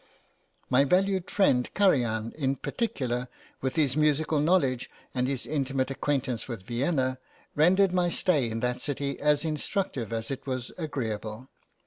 My valued friend Karajan in particular, with his musical knowledge and his intimate acquaintance with Vienna, rendered my stay in that city as instructive as it was agreeable.